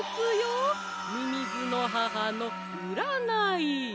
みみずの母のうらない！